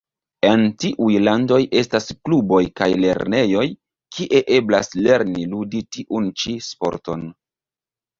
En tiuj landoj estas kluboj kaj lernejoj, kie eblas lerni ludi tiun ĉi sporton.